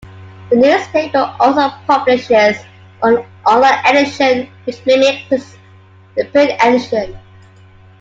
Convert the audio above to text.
The newspaper also publishes an online edition, which mimics the print edition.